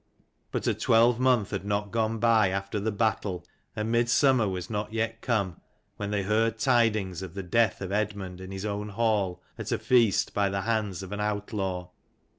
But a twelvemonth had not gone by after the battle, and mid summer was not yet come, when they heard tidings of the death of Eadmund in his own hall at a feast, by the hands of an outlaw.